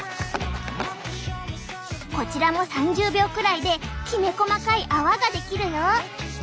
こちらも３０秒くらいできめ細かい泡が出来るよ。